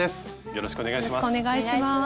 よろしくお願いします。